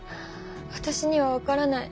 わたしには分からない。